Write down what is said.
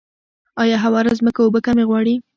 آیا هواره ځمکه اوبه کمې غواړي؟